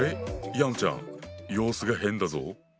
ヤンちゃん様子が変だぞ？